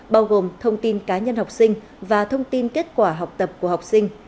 bao gồm thông tin cá nhân học sinh và thông tin kết quả học tập của học sinh